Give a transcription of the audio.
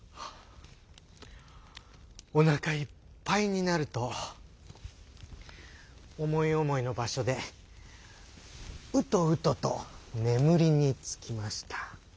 おなかいっぱいになると思い思いの場所でウトウトと眠りにつきました。